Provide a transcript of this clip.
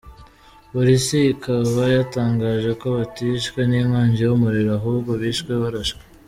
Polisi ikaba yatangaje ko batishwe ninkongi yumuriro, ahubwo bishwe barashwe.